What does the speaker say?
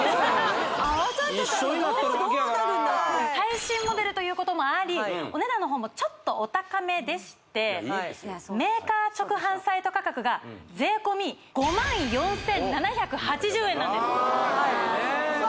あわさっちゃったらどうなるんだって最新モデルということもありお値段のほうもちょっとお高めでしてメーカー直販サイト価格が税込５４７８０円なんですあ